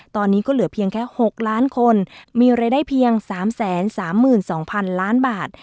ตอนนี้ก็เหลือเพียงแค่หกล้านคนมีรายได้เพียงสามแสนสามหมื่นสองพันล้านบาท